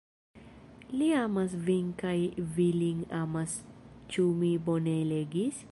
Li amas vin kaj vi lin amas! Ĉu mi bone legis?